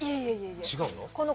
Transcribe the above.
違うの？